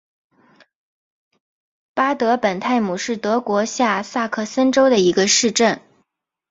巴德本泰姆是德国下萨克森州的一个市镇。